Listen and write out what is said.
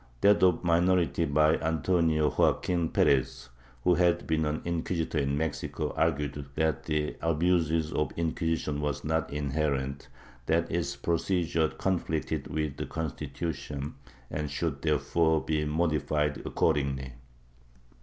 That of the minor ity by Antonio Joaquin Perez, who had been an inquisitor in Mexico, argued that the abuses of the Inquisition were not inherent; that its procedure conflicted with the Constitution and should there fore be modified accordingly.